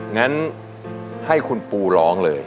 งั้นให้คุณปูร้องเลย